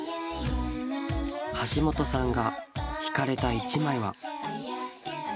橋本さんが惹かれた１枚は。